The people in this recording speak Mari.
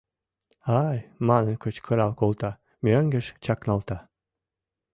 Ай! манын кычкырал колта, мӧҥгеш чакналта.